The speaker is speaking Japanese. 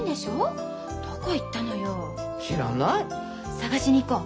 探しに行こう。